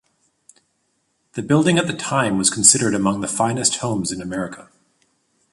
The building at the time was considered among the finest homes in America.